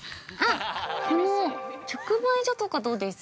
◆この直売所とかどうです？